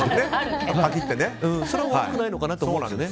それは悪くないのかなと思うんですよね。